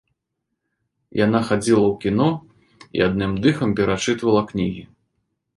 Яна хадзіла ў кіно і адным дыхам перачытвала кнігі.